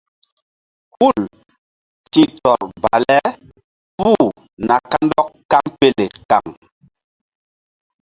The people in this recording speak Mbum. Hul ti̧h tɔr bale puh na kandɔk kaŋpele kaŋ.